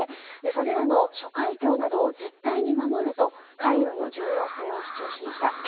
それらの諸海峡などを絶対に守ると海軍の重要性を主張しました。